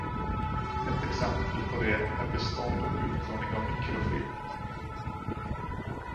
Ett exempel på det är bestånd och utlåning av mikrofilm.